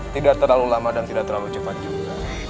tidak terlalu lama dan tidak terlalu cepat juga